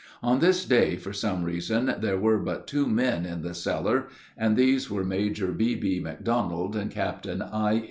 On this day, for some reason, there were but two men in the cellar, and these were Major B.B. McDonald and Captain I.